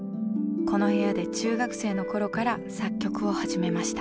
この部屋で中学生の頃から作曲を始めました。